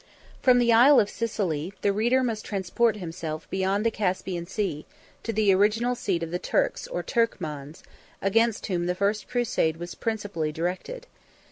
From the Isle of Sicily, the reader must transport himself beyond the Caspian Sea, to the original seat of the Turks or Turkmans, against whom the first crusade was principally directed.